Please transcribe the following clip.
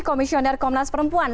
komisioner komnas perempuan